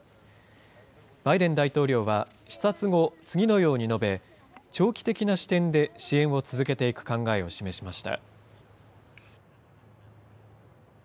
バイデン大統領は視察後、次のように述べ、長期的な視点で支援を続けていく考えを示しました。